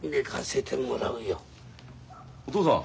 お父さん。